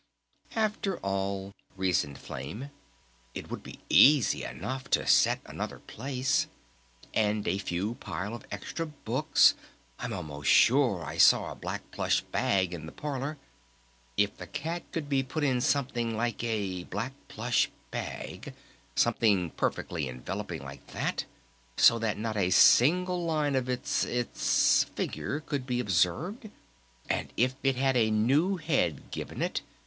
"After all," reasoned Flame, "it would be easy enough to set another place! And pile a few extra books!... I'm almost sure I saw a black plush bag in the parlor.... If the cat could be put in something like a black plush bag, something perfectly enveloping like that? So that not a single line of its its figure could be observed?... And it had a new head given it?